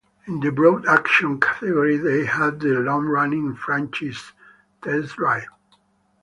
In the broad "action" category they had the long-running franchise "Test Drive".